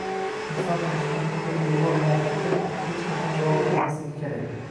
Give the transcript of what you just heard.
Inson erishgan bunday ulug‘vor muvaffaqiyat hech qachon zavol topmasligi kerak!